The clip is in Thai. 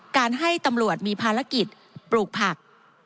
การให้ตำรวจมีภารกิจปลูกผัก